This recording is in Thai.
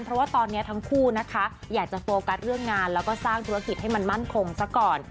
เพราะว่าตอนนี้ทั้งคู่นะคะอยากจะโฟกัสเรื่องงานแล้วก็สร้างธุรกิจให้มันมั่นคงซะก่อน